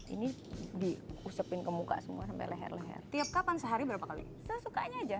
ini diusapin ke muka semua sampai leher leher tiap kapan sehari berapa kali sesukanya aja